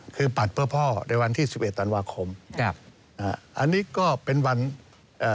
คือปัดเพื่อพ่อในวันที่สิบเอ็ดธันวาคมครับอ่าอันนี้ก็เป็นวันเอ่อ